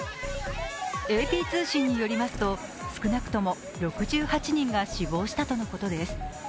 ＡＰ通信によりますと、少なくとも６８人が死亡したとのことです。